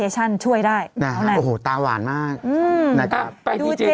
ใช้เวลานานหน่อย